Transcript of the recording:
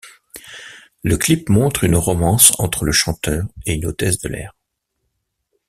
Le clip montre une romance entre le chanteur et une hôtesse de l'air.